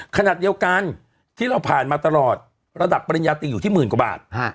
ขณะเดียวกันที่เราผ่านมาตลอดระดับปริญญาตีอยู่ที่หมื่นกว่าบาท